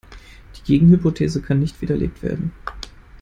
Die Gegenhypothese kann nicht widerlegt werden.